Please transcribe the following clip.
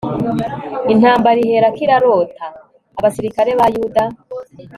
intambara iherako irarota, abasirikare ba yuda